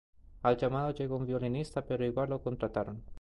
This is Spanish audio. Al llamado llegó un violinista, pero igual lo contrataron.